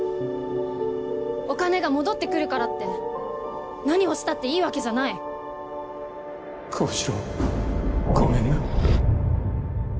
お金が戻ってくるからって何をしたっていいわけじゃない高志郎ごめんな